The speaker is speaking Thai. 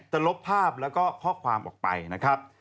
ลบภาพแล้วก็ข้อความออกไปนะครับ